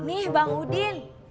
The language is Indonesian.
nih bang udin